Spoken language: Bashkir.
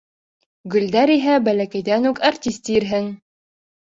Гөлдәр иһә бәләкәйҙән үк әртис тиерһең!